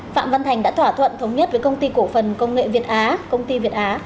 phạm văn thành đã thỏa thuận thống nhất với công ty cổ phần công nghệ việt á công ty việt á